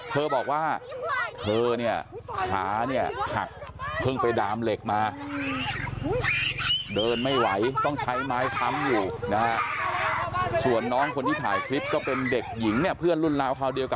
เธอบอกว่าเธอเนี่ยขาเนี่ยหักเพิ่งไปดามเหล็กมาเดินไม่ไหวต้องใช้ไม้ค้ำอยู่นะฮะส่วนน้องคนที่ถ่ายคลิปก็เป็นเด็กหญิงเนี่ยเพื่อนรุ่นราวคราวเดียวกัน